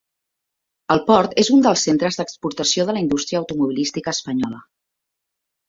El port és un dels centres d'exportació de la indústria automobilística espanyola.